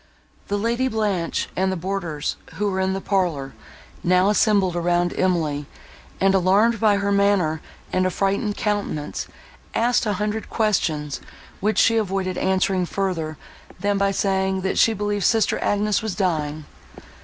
The Lady Blanche, and the boarders, who were in the parlour, now assembled round Emily, and, alarmed by her manner and affrighted countenance, asked a hundred questions, which she avoided answering further, than by saying, that she believed sister Agnes was dying.